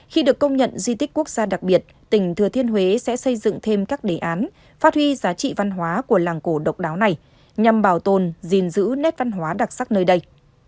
khi được công nhận di tích quốc gia đặc biệt tỉnh thừa thiên huế sẽ xây dựng thêm các đề án phát huy giá trị văn hóa của làng cổ độc đáo này nhằm bảo tồn gìn giữ nét văn hóa đặc sắc nơi đây